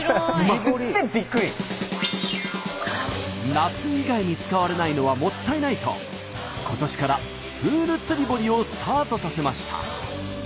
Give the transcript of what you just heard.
夏以外に使われないのはもったいないと今年からプール釣堀をスタートさせました。